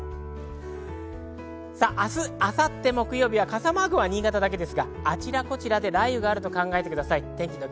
明日明後日、木曜日は傘マークは新潟だけですが、あちこちで雷雨があると考えてください。